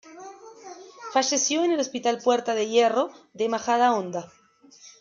Falleció en el hospital Puerta de Hierro de Majadahonda.